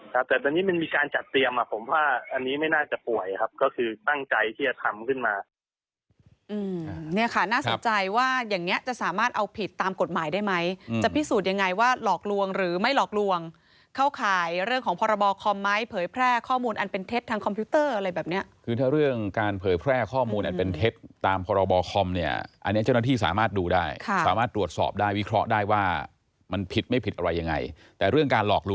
ครับแต่ตอนนี้มันมีการจัดเตรียมอ่ะผมว่าอันนี้ไม่น่าจะป่วยครับก็คือตั้งใจที่จะทำขึ้นมาอืมเนี้ยค่ะน่าสนใจว่าอย่างเงี้ยจะสามารถเอาผิดตามกฎหมายได้ไหมอืมจะพิสูจน์ยังไงว่าหลอกลวงหรือไม่หลอกลวงเข้าข่ายเรื่องของพรบคอมไหมเผยแพร่ข้อมูลอันเป็นเท็จทางคอมพิวเตอร์อะไรแบบเนี้ยคื